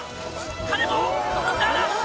鐘も鳴らした！